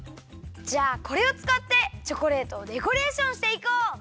じゃあこれをつかってチョコレートをデコレーションしていこう！